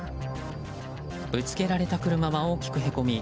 ぶつけられた車は大きくへこみ